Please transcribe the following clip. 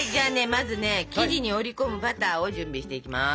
まずね生地に折り込むバターを準備していきます。